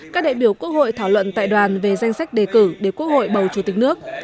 các đại biểu quốc hội thảo luận tại đoàn về danh sách đề cử để quốc hội bầu chủ tịch nước